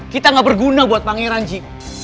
kita gak berguna buat pangeran ji